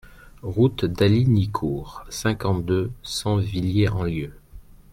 Route d'Hallignicourt, cinquante-deux, cent Villiers-en-Lieu